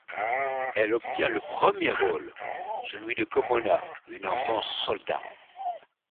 Elle obtient le premier rôle, celui de Komona, une enfant soldat.